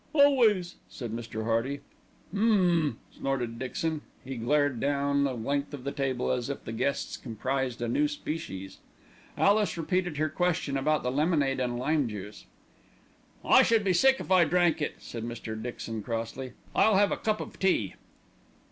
"Always," said Mr. Hearty. "Hmmmm!" snorted Mr. Dixon. He glared down the length of the table as if the guests comprised a new species. Alice repeated her question about the lemonade and lime juice. "I should be sick if I drank it," said Mr. Dixon crossly. "I'll have a cup of tea."